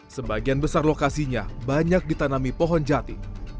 sebagian besar lokasinya banyak ditanami pohon jati